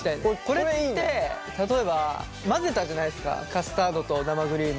これって例えば混ぜたじゃないですかカスタードと生クリーム。